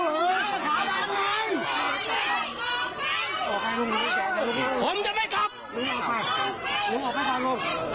รู้หรือครับครับลูก